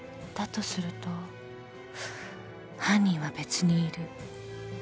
とすると犯人は別にいる］